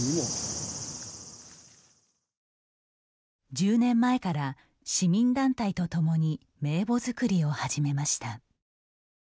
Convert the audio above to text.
１０年前から市民団体と共に名簿作りを始めました。